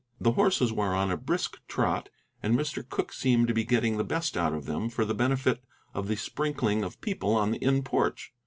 The horses were on a brisk trot, and Mr. Cooke seemed to be getting the best out of them for the benefit of the sprinkling of people on the inn porch.